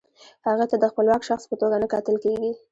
هغې ته د خپلواک شخص په توګه نه کتل کیږي.